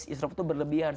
israf itu berlebihan